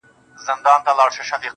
مثبت فکر سکون پیدا کوي.